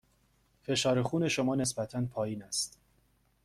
فشار خون شما نسبتاً پایین است.